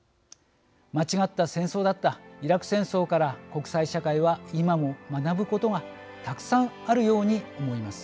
間違った戦争だったイラク戦争から、国際社会は今も学ぶことがたくさんあるように思います。